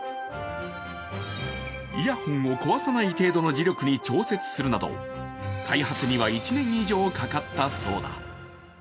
イヤホンを壊さない程度の磁力に調節するなど開発には１年以上かかったそうだ。